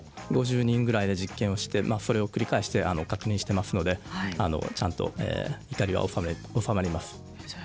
５０人ぐらいで実験をしてそれを繰り返して確認していますので怒りは収まります。